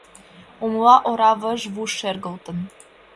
Умла ора выж-вуж шергылтын.